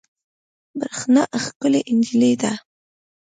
برېښنا ښکلې انجلۍ ده